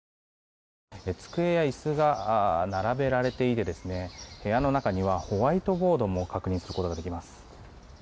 机や椅子が並べられていて部屋の中にはホワイトボードも確認することができます。